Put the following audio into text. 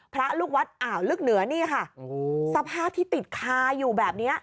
พระลูกวัดอ่าวลึกเหนือนี่ค่ะสภาพที่ติดคาอยู่แบบเนี้ย